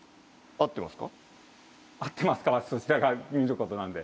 「合ってますか」はそちらが見ることなんで。